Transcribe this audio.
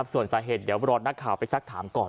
ส่วนสาเหตุเดี๋ยวรอนักข่าวไปสักถามก่อน